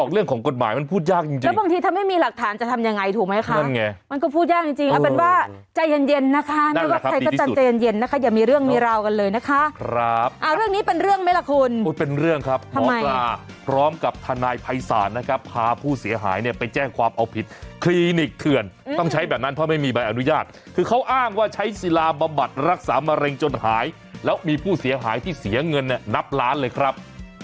คุณผู้ชมถ้านายภัยสารนะครับพาผู้เสียหายเนี่ยไปแจ้งความเอาผิดคลินิกเถื่อนต้องใช้แบบนั้นเพราะไม่มีใบอนุญาตคือเขาอ้างว่าใช้ศิลาบำบัดรักษามะเร็งจนหายแล้วมีผู้เสียหายที่เสียเงินเนี่ยนับล้านเลยครับ